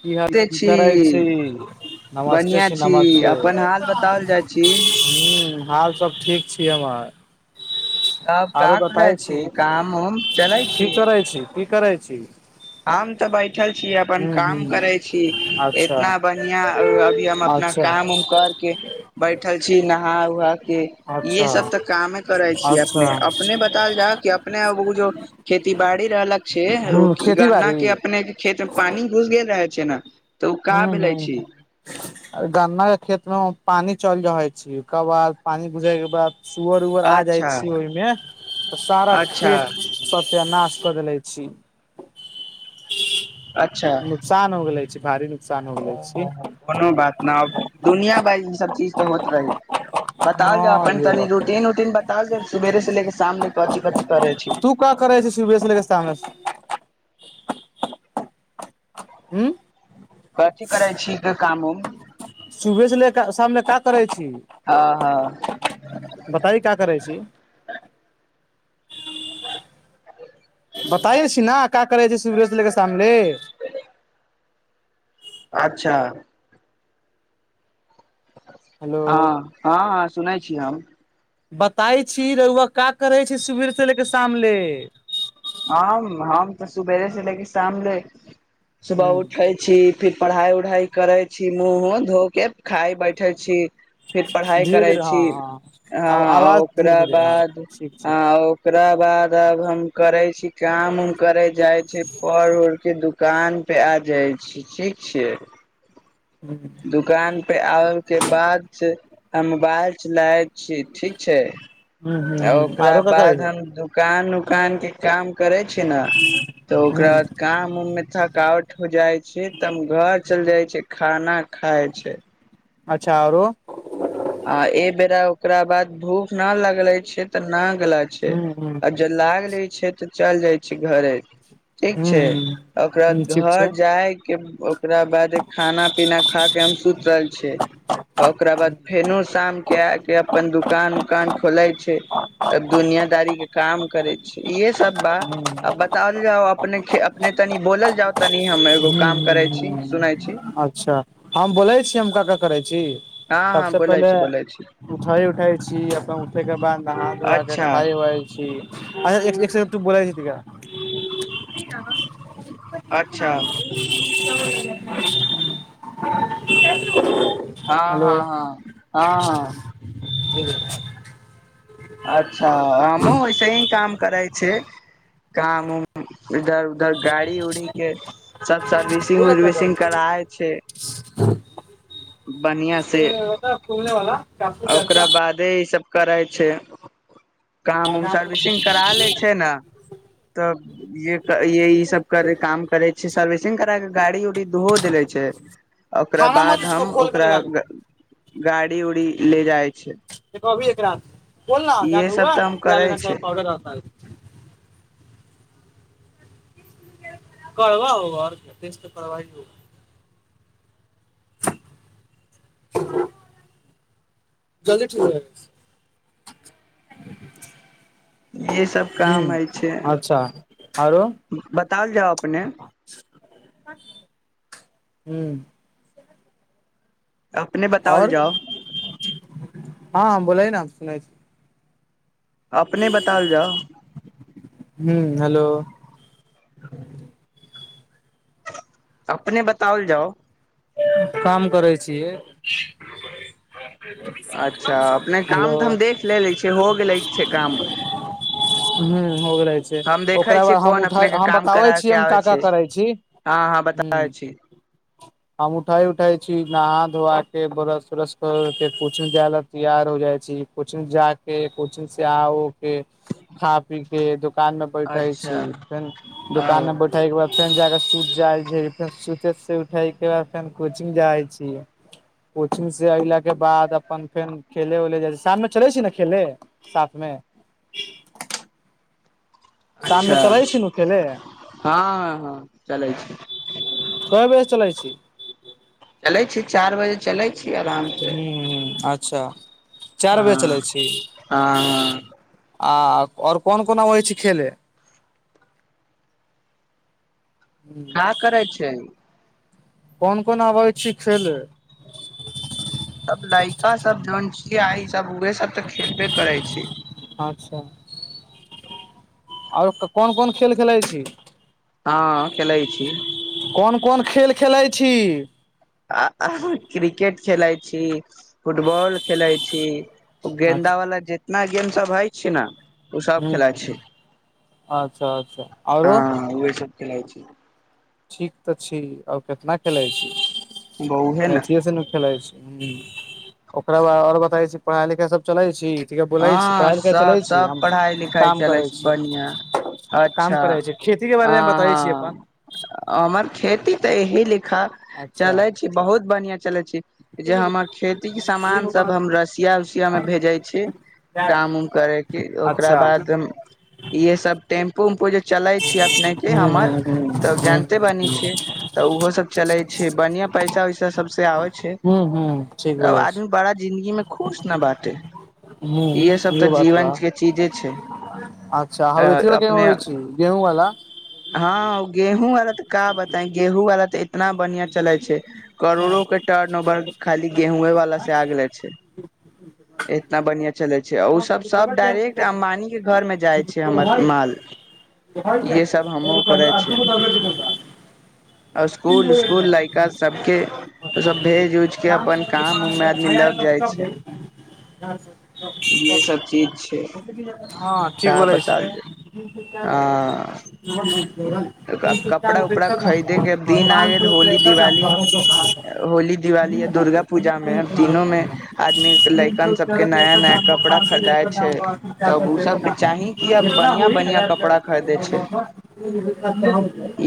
की हाल! की करै छी? नमस्ते बढ़िआँ छी, नमस्ते! अपन हाल बताओल जाइ छी ह हाल सब ठीक। छी हमर। तब क आरो करै बताय छी? काम उम चलै छी? जी! हम तऽ बैठल छीयै, अपन काम ह करे छी, अच्छा एतना बढ़आं अभी हम अपना अच्छा काम उम कर के बैठल छी, नहा उहा के इहे अच्छा सब तऽ कामे करै छी। अच्छा अपने अपने बताल जा? कि अपने जो खेती बढ़ी रहलक छै ओ। ह खेती गन्ना बाड़ी के अपने खेत मे पानी घुस ग? रह छै ने। तऽ ओ का ह भेले ह छी ह गानना खेतमे। पानी चलि रहे छी, ओकर बाद पानी घुजे के बाद सुअर उअर आ जाय अच्छा छी ओहिमे, त, सारा अच्छा खेत सबत नाश क देले। पक्षी अच्छा [unintelligible] [unintelligible] नुकसान हो गेललै। भार। ओ कोनो बात न, अब दुनिया बइ ई सब चीज तऽ होइत रहै। बताबल जाउ, अपन तनी हँ य रूटीन उटीन बता जाउ, सबेरे से लेके शाम लेके? तू क करै छै, शभस लकेस्त हमने? हँ। कथी करै छी, काम उम? सुबह से ले क शाम ल क करै छी, हँ हँ बताइ क करै छी। बताय छी ने, का करै छी, सुबेरे से ले के साममे। अच्छा! हँ, हेलो हँ, हँ, सुनै छी हम। बताइ छी, रहुुआ का करै छै, सबेरे से लेके शाम ले? ई सामले सुबह हूँ उठै छी। फिर पढ़ाइ उढ़ाइ करै छी, मुँह उँ धोक के खााय बैठै छी। फिर पढ़ाइ धीरे करै धीरे छी, हँ हँ हँ आ आवाज धीरे ओकरा धीरे हँ बाद ठीक छै ह। ओकरा बाद आब हम। करै। काम उम करे जाइ छै, पढ़ उढ़ के दुख। कान पे आ जाइ छी ठीक छियै। दुकान प आयके बाद। आ मु बाज। लााय छी ठीक छै, हूँ हूँ आ हूँ ओकरा आरो का करै बाद हम छी दुकान उकान के काम करे छी ने, तऽ हूँ ओकरा बाद काम उम मे थकावट। हो जाए। से त हम घर चलि जाइ छै। खाना। खाय छै। अच्छा आओरो? आ एहि बेेरा ओकरा बाद भूख न लगले छै, तऽ नाक। छै, हूँ हूँ आ ज लागलै। छै, तऽ चलि जाइ छै घरे। ठीक हूँ छै, हूँ ओकरा हूँ ब ठीक छै घर जायके। ओकरा बाद खाना -पीना खा के, हम सुत रहलल। आ ओकरा बाद। शाम के आ के अपन दुकान उकान खोले छै, त दुनियादारी के काम करे छै, इहे सब बा आ बताओल जाउ अपने अपने तनी बोलल जा त। कनी हम एगो हूँ काम करे हूँ छी। सुनै छी अच्छा हम बोलै छीय, हम क क करै छी, हँ सबस हँ बोलै पहिले छी बोलै छी उठई उठै छी, अपन उठै के बाद नहा धोआ के अच्छा खााय उइ छी, अच्ा तू बोलै छ। अच्छा ह। [inaudible] हँ, हँ, हँ। हँ, ह। [inaudible] अच्छा हमहु ऐसे ही काम करै छै काम उम इधर-उधर। गाड़ी-उड़ी के सब सर्विसिंग-उर्विसिंग कराबै छै। बढ़िआ से खोलने वाला ओकरा बादे ई सब। करै छै। काम उम सर्विसिंग करा ले छै, ने तब ये ये ई सब कर काम करे छै, सर्विस। चि। गाड़ी उड़ी धो देले छै ओकरा खाना मत बाद। त इसको हम खोल के ओकरा लगा ले ग गाड़ी-उड़ी ले जाइ छै देख अभी एक रात बोलना जहाँ त इहे सब हुआ तऽ है हम करै जहाँ से छै पाउडर रहता है उसमें। करब हो आओर क फेस तऽ कर [unintelligible] जल्दी ठीक हो जाएगा। इहे सभ काम होइ छै हूं अच्छा आरो बताओल जाउ अपने? हूँ अपने बताओल आओर जाउ हँ बोलय न? नहि अपने बताओल जाउ ह्म हेलो [inaudible] अपने बताओल जाउ? काम करै छियै। अच्छा अपने हेलो काम-धाम देख ले लै छियै हो गेलै छै काम। हू हूँ होगेले छै हम देखे ओकरा छियै बाद हम कोन उठै अपने के काम बतावे करा छी के हम आबे का का छै करै छी हँ हँ बताबै हुँ। छी उठई उठई छी नहा धोआ के ब्रश उरश कर के कोचिंग जाय ला तैयार हो जाय छी छै कोचिंग जा के कोचिंग से आ उ के खा पी के। दुकान में बैठे छी अच्छा फेर दुकान ओ में बैठे के बाद फेन जाकऽ सुत जाइ छै फेन सुतैत से उठै। बाद फेर कोचिंग जाइ छी कोचिंग से अयलाक के बाद अपन फेर खेले उले जाइ छी शाममे चले छी ने खेले साथ मे। शाम मे अच्छा चलै छी नु खेले हँ हँ हँ चलै छी। कए बजे चलै छी? चलै छी चार बजे चलै। छी आरामसँ। हूं हूं अच्छा चारि बजे चलै छी। हँ आ आओर कोन कोन आबै छी खेले? का करै छै? कोन कोन आबै छी खेले? अब लईका सब जोन छिय आइ सब उहे सब तऽ खेलबे करै छी। अच्छा आओर कोन कोन खेल खेलइ छी? हँ खेलै छी। खेलाइ छी आ क्रिकेट खेलइ छी? फुटबॉल खेलइ छी? गेंन्दा अच्छा वला जे इतना गेम सब हइ छ ने। ओ सब ह खेलाइ छी अच्छा अच्छा आओरो? खेलइ छी। ठीक तऽ छी। आर केतना खेलइ छी? बहुे ने बैचिये से न खेलै छी। ह ओकरा बाद आओर बताइ छी? पढ़ाई लिखाई सब चलै छी? ठीक बोलै छी। हँ पढ़ाई-लिखाइ चलै सब छी। सब हम पढ़ाई लिखाई काम चलै करै छै छी। बढ़िया काम अच्छा करै छी। खेती के बारेमे हँ बतै छी अपन। हँ हमर खेती तऽ एही ले ख अच्छा चलै छी बहुत बनहिया चले छी। जे हमर खेती के सामान सब हम रसिया-उसिया में भेजे छी। काम उम करैके ओकरा अच्छा बाद इहे सब। टेम्पु-उम्पू जे चले छी। अपने के हूँ हूँ हमर तब हूँ जानते हूँ बनी छै। तऽ ओहो सब चले छै बढ़िया पैसा। पैसा-उसा सब से आवै हू हू ठीक बोलै जिंन्दगी छी। में खुश न बाँटे? हूँ इहे सब तऽ इहो बात बा जीवन के चीजे छै। अच्छा आहाँ अ वेचेला किया नहि अपने अबै छी गेहूँवला? हँ गेहूं वाला ते का बताई गेहूं वाला ते इतना बढ़िया चले छै। करोड़ो के टर्न ओवर खाली गेहूए वाला से आ गेले छै। इतना बढ़िया चलै छै। ओ सब सब डायरेक्ट अंबानी के घर मे छै। हमर माल। इहे सब हमहुँ [inaudible] आ इसकुल उसकुल लड़का सभके ओसभ भेज उज क अपन काम उममे आदमी लग जाइ छै। इहे सब चीज छै हँ की का बोलै छियै? बताल जाय ह आब कपड़ा उपड़ा खरीदे के अब दिन आ गेल होली दिवाली होली दिवाली आ दुर्गा पूजा में दिनो में आदमी के सौ लैकन सब चार दाम पाँच सए पर दाम चार तब ओ सए सबके रुपया दाम चाही कि आब इतना बढ़िया होइ बढ़िया हजार कपड़ा खरीदे चार छै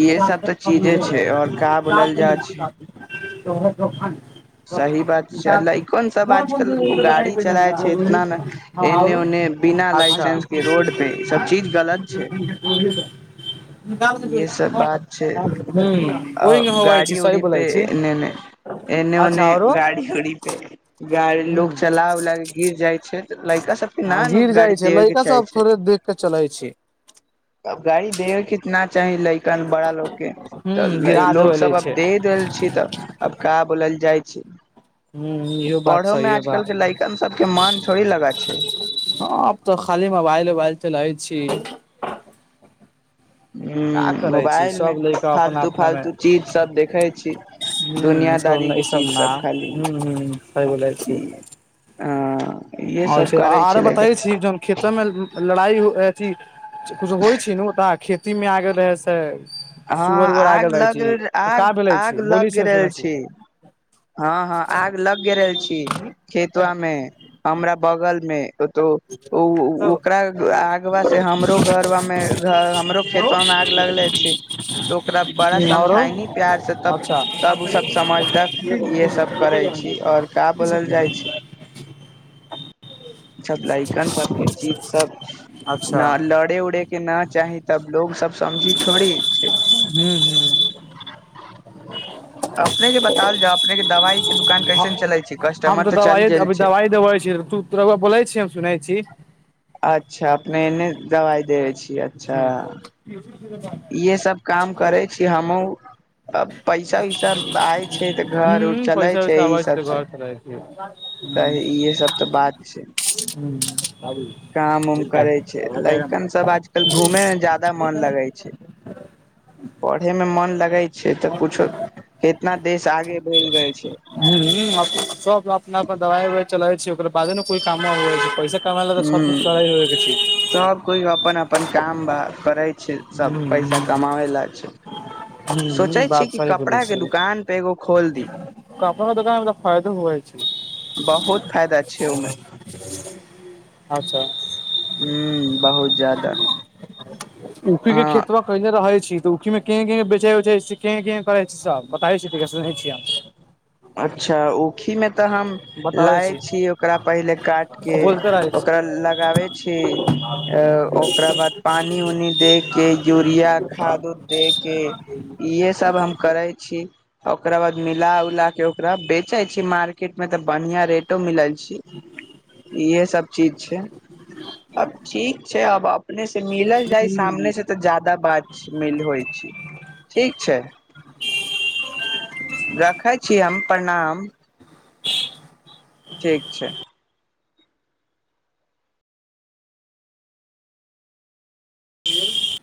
इहे सब तऽ चीजे छै और का बोलल जा छै सौ प्रोफान सही बात सात छलै, सौ कोन सब कौन कौन आजकल से उसे बताए गाड़ी कोई छै इतना ने एने ओने बिना अच्छा लाइसेंस के रोड पे ई सब चीज गलत छै ये सब हां बात छै आ ओहि गाड़ी सही उड़ी बोलै पे छी। एने ओने एने अच्छा ओने आरो गाड़ी घड़ी पर गाड़ी हूं लोक चला उलाके गिर जाइ छै त लड़का सब न हँ ने गिर गाड़ी जाइ छै देबे के लड़का चाहै सब छै, थोड़े देख के चलै छै गाड़ी देे के ना चाहे लइक कन बड़ा लोग के हूं त गिरा लोग देबै लै सब अब छै दे देल छै त अब का बोलल जाय छी। हुं इहो बात सहिए बा लैकन सबके मन थोड़ी लगा छै हँ अब त खाली मोबाइल उबाइल चलैब दै छी। हुं का करै छी मोबाइलमे सब लैका अपना फालतू अपना मे फालतू चीजसब देखै छी हूं सब ई दुनियादारीके सब ना चीजसभ खाली। हूं हूं सही हां। आर छै आरो बताबै छी जन खेतो मे लड़ाई हो अथि कुछु होइ छै न ओ त खेती मे आ गेल रहै से सुअर हँ उअर आ आग गेल रहै लग छी तऽ का आग भेलै आग छी बोली लग हम रहल सुनै छी। हँ हँ आग लग गेल रहल छी खेतबा मे। हमरा बगलमे तो ओकरा आगबा से हमरो घर मे हमरो खेतमे आग लगले छै त ओकरा बड़ा औ औरो समझायनी प्यार से तब अच्छा तब ओ सब समझलक। इहे सस करै छी और का बोलल जाइ छै। जब लैकन सबके चीज सब अच्छा न लड़े उड़े के न चाही तब लोग सब समझी छोड़ी छै, हूँ अपने जे बताल जाउ दवाइ के दुकान कैसन हूँ चलै छै हम कस्टमर तऽ त चल दवाइए गेल अभी छै दवाइ देबै छी तू तोरा बोलै छी हम सुनै छी अच्छा अपने एने दवाइ दे छी। ज अच्छा! इहे सभ काम करै छी, हमहूँ पैसा -उैसा आइ छै, तऽ घर उर हूँ चलै पैसा छै, वैसा एहि आबै तऽ सभसँ घर से रहै छै त इह सभ तऽ बात छै। हूँ [inaudible] काम उम करै छै लैकन सब आज क घूमे मे जदाा मन लगै छै पढ़े मे मन लगे छै त पूछो कितना देश आगे बढ़ गेल छै। हूँ सब अपना अपन दवाइ उवाइ चलै छै, ओकर बादे ने कोइ काम छै पैसा। क मेला तऽ ह सबकछु तड़ा हो ग सब कोइ अपन अपन [inaudible] काम बा करे छै, सब पैसा कमाबे ला छै, हूँ सोचे छी बात कि सही बोलै कपड़ा के छी दुकान पे एगो खोल दी। दोकानल ख तो हइ छै। 'बहुत' फायदा छै, ओमे अच्छा! ह, बहुत। जादा उखी के हँ खेत मे कहिने रहै छी। तऽ उखीमे के के बेचैचै छै, के के करै छै सब बताबै छैै छियै। अच्छा! ऊखी मे तऽ हम लै छी, ओकरा पहिले काट के बोलते रहै छै ओकरा लगाबै छी अ। ओकरा बाद पानि -उनि दे के, यूरिया खाद- उद देके इह सभ हम करै छी। ओकरा बाद मिला उला। के ओकरा बेचे छी, मार्केट में ते बढ़िया रेटो मिलल छै। इहे सब चीज। अब ठीक छै, आब अपने मिलल जाय सामने से तऽ ज्यादा बात। म होइ छी, ठीक छै रखै छी। छी, हम प्रणाम! ठीक छै। ह।